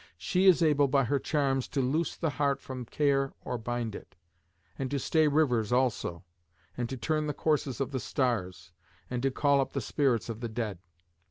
She is able by her charms to loose the heart from care or to bind it, and to stay rivers also, and to turn the courses of the stars, and to call up the spirits of the dead.